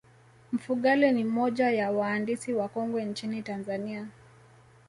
mfugale ni moja ya waandisi wakongwe nchini tanzania